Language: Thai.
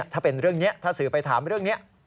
ถ้าเป็นเรื่องนี้ถ้าสื่อไปถามเรื่องนี้